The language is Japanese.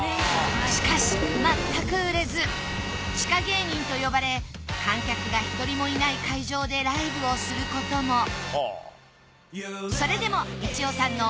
しかしまったく売れず地下芸人と呼ばれ観客が１人もいない会場でライブをすることも。